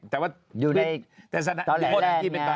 แต่ว่าอยู่ในตอแหลแลนด์ไง